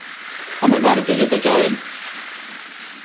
আমি বাড়িতে যেতে চাই!